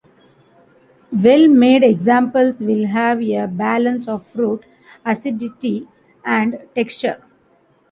Well made examples will have a balance of fruit, acidity and texture.